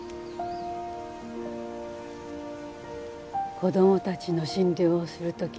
子どもたちの診療をする時にね